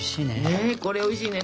ねこれおいしいね